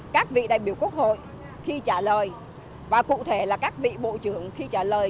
các vị đại biểu quốc hội khi trả lời và cụ thể là các vị bộ trưởng khi trả lời